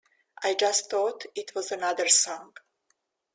I just thought it was another song.